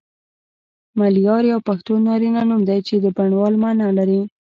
ملیار یو پښتو نارینه نوم دی چی د بڼوال معنی لری